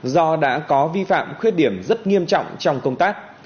do đã có vi phạm khuyết điểm rất nghiêm trọng trong công tác